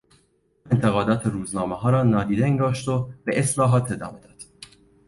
او انتقادات روزنامهها را نادیده انگاشت و به اصلاحات ادامه داد.